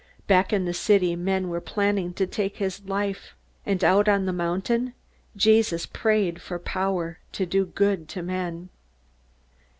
Back in the city men were planning to take his life. And out on the mountain Jesus prayed for power to do good to men.